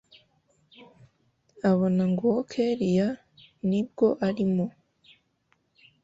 abona nguwo kellia nibwo arimo